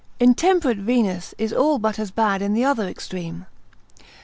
Intemperate Venus is all but as bad in the other extreme.